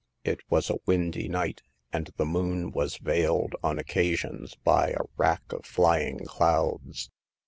It was a windy night, and the moon was veiled on occasions by a rack oi hying clouds.